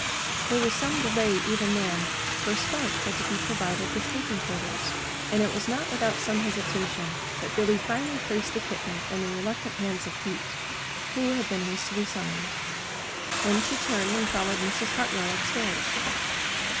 There was some delay, even then, for Spunk had to be provided with sleeping quarters; and it was not without some hesitation that Billy finally placed the kitten in the reluctant hands of Pete, who had been hastily summoned. Then she turned and followed Mrs. Hartwell up stairs.